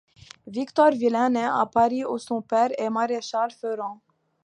Victor Vilain naît à Paris où son père est maréchal-ferrant.